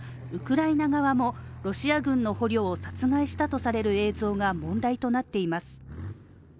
ウクライナ側もロシア軍の捕虜を殺害したとされる映像が問題となっています。